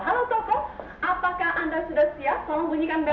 halo toko apakah anda sudah siap menggunyikan bel